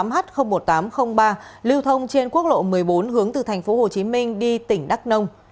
h một nghìn tám trăm linh ba lưu thông trên quốc lộ một mươi bốn hướng từ thành phố hồ chí minh đi tỉnh đắk nông